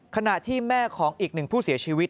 ขณะที่แม่ของอีกหนึ่งผู้เสียชีวิต